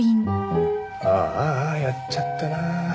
あああやっちゃったな。